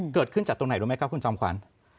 เกิดขึ้นจากตรงไหนรู้ไหมครับคุณจอมขวัญ